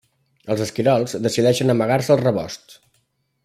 Els esquirols decideixen amagar-se als rebosts.